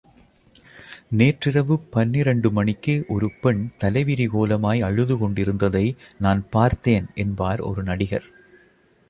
நேற்றிரவு பனிரண்டு மணிக்கு ஒருபெண் தலைவிரிகோலமாய் அழுது கொண்டிருந்ததை நான் பார்த்தேன் என்பார் ஒரு நடிகர்.